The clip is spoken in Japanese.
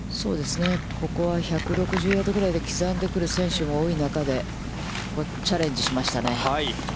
ここは１６０ヤードぐらいで、刻んでくる選手も多い中で、チャレンジしましたね。